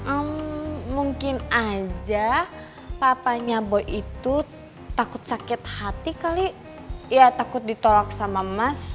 hmm mungkin aja papanya boy itu takut sakit hati kali ya takut ditolak sama mas